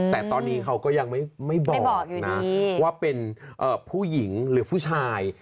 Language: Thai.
แต่ตอนนี้เขาก็ยังไม่บอกนะว่าเป็นผู้หญิงหรือผู้ชาย